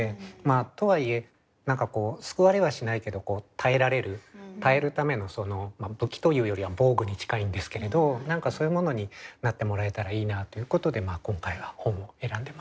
とはいえ何かこう救われはしないけど耐えられる耐えるためのまあ武器というよりは防具に近いんですけれど何かそういうものになってもらえたらいいなということで今回は本を選んでます。